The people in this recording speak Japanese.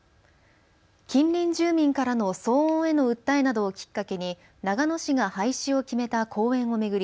近隣住民からの騒音への訴えなどをきっかけに長野市が廃止を決めた公園を巡り